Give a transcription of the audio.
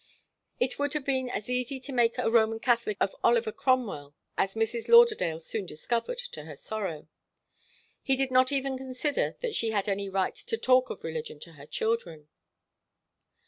It would have been as easy to make a Roman Catholic of Oliver Cromwell, as Mrs. Lauderdale soon discovered to her sorrow. He did not even consider that she had any right to talk of religion to her children.